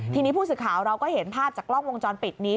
ทีนี้ผู้สื่อข่าวเราก็เห็นภาพจากกล้องวงจรปิดนี้